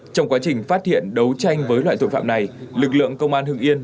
trong quá trình phát hiện đấu tranh với loại tội phạm này lực lượng công an hưng yên